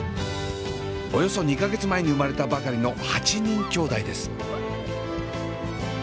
およそ２か月前に生まれたばかりの８人きょうだいです。